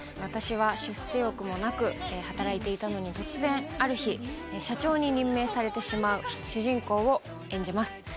私は出世欲もなく働いていたのに突然ある日社長に任命されてしまう主人公を演じます。